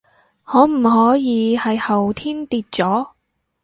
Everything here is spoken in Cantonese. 可唔可以係後天跌咗？